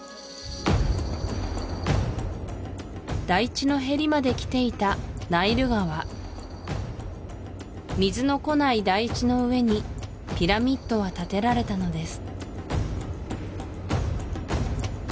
台地のへりまできていたナイル川水のこない台地の上にピラミッドは建てられたのです